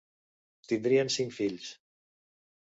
Tindrien cinc fills.